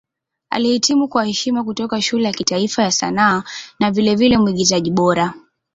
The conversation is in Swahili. Alihitimu kwa heshima kutoka Shule ya Kitaifa ya Sanaa na vilevile Mwigizaji Bora.